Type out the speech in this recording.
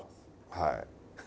はい。